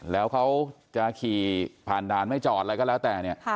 แล้วเขาจะขี่ผ่านด่านไม่จอดอะไรก็แล้วแต่เนี่ย